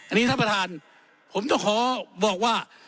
หน้าประธานผมก็ขอบอกว่า